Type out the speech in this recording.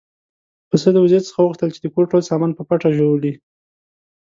پسه د وزې څخه وغوښتل چې د کور ټول سامان په پټه ژوولی.